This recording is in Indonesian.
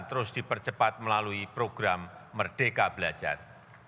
terus dipercepat melalui program merdeka belajar